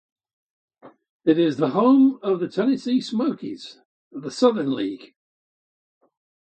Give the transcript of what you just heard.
It is the home of the Tennessee Smokies of the Southern League.